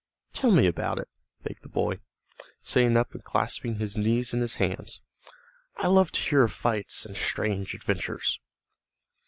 "Tell me about it," begged the boy, sitting up and clasping his knees in his hands. "I love to hear of fights and strange adventures."